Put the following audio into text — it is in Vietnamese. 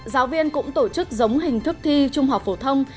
giáo viên cũng tổ chức giống hình thức thi trung học phổ thông